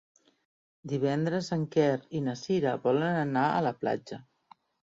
Divendres en Quer i na Cira volen anar a la platja.